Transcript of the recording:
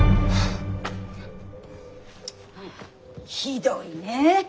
ひどいねえ。